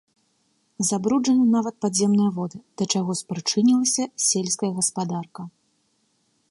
Забруджаны нават падземныя воды, да чаго спрычынілася сельская гаспадарка.